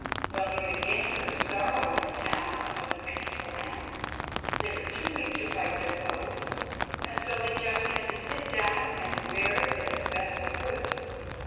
Well, you may guess there was sorrow in the town of the peaceful ants. They were too weak to fight their foes, and so they just had to sit down and bear it as best they could.